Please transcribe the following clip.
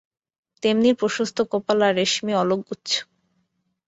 তেমনি প্রশস্ত কপাল আর রেশমি অলকগুচ্ছ।